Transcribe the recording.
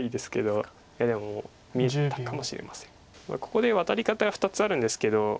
ここでワタリ方が２つあるんですけど。